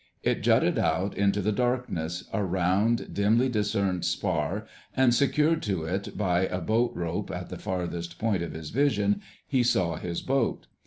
It jutted out into the darkness, a round, dimly discerned spar, and secured to it by a boat rope at the farthest point of his vision, he saw his boat.